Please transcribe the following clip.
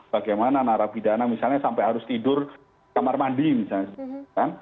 bagaimana narapidana misalnya sampai harus tidur kamar mandi misalnya kan